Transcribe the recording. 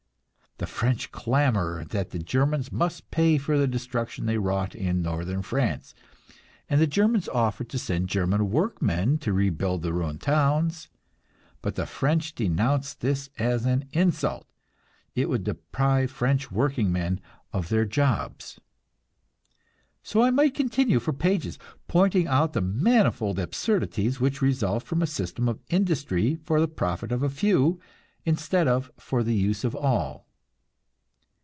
The French clamor that the Germans must pay for the destruction they wrought in Northern France, and the Germans offer to send German workmen to rebuild the ruined towns; but the French denounce this as an insult it would deprive French workingmen of their jobs! So I might continue for pages, pointing out the manifold absurdities which result from a system of industry for the profit of a few, instead of for the use of all.